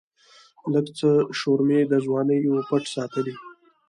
لږڅه شورمي د ځواني وًپټ ساتلی